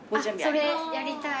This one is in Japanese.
それやりたい。